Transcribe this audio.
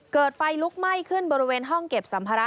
เกิดไฟลุกไหม้ขึ้นบริเวณห้องเก็บสัมภาระ